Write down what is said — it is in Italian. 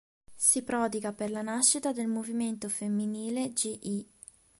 Si prodiga per la nascita del Movimento femminile Gl.